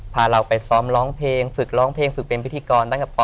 พาเราไปซ้อมร้องเพลงฝึกร้องเพลงฝึกเป็นพิธีกรตั้งแต่ป